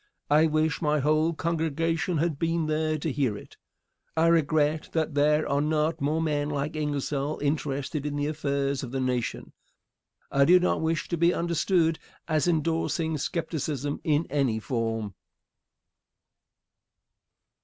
I wish my whole congregation had been there to hear it. I regret that there are not more men like Ingersoll interested in the affairs of the nation. I do not wish to be understood as indorsing skepticism in any form.